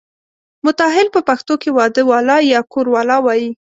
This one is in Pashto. متاهل په پښتو کې واده والا یا کوروالا وایي.